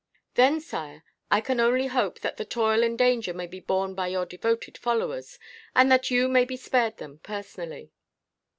"Then, Sire, I can only hope that the toil and danger may be borne by your devoted followers, and that you may be spared them, personally."